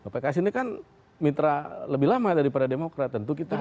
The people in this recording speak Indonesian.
pks ini kan mitra lebih lama daripada demokrat tentu kita harus